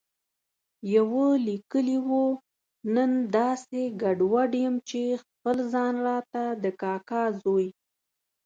يوه ليکلي و، نن داسې ګډوډ یم چې خپل ځان راته د کاکا زوی